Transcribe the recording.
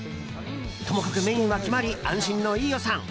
ともかくメインは決まり安心の飯尾さん。